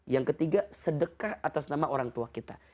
yang ketiga sedekah atas nama orang tua kita